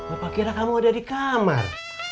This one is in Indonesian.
apa kira kamu ada di kamar